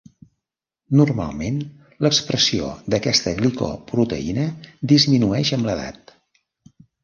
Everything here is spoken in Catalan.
Normalment, l'expressió d'aquesta glicoproteïna disminueix amb l'edat.